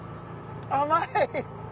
甘い！